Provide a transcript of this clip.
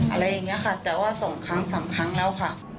อะไรอย่างนี้ค่ะแต่ว่าสองครั้งสามครั้งแล้วค่ะ